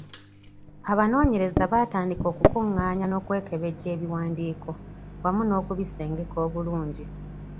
Abanoonyereza baatandika okukungaanya n’okwekebejja ebiwandiiko wamu n’okubisengeka obulungi.